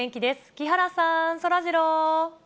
木原さん、そらジロー。